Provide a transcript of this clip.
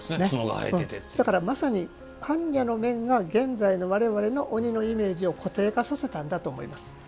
だから、まさに般若の面が現在の我々の鬼のイメージを固定化させたんだと思います。